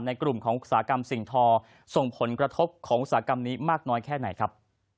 กลุ่มของอุตสาหกรรมสิ่งทอส่งผลกระทบของอุตสาหกรรมนี้มากน้อยแค่ไหนครับ